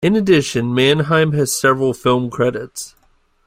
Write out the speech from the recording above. In addition, Manheim has several film credits.